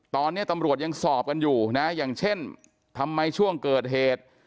ตอนนี้ตำรวจยังสอบกันอยู่นะอย่างเช่นทำไมช่วงเกิดเหตุ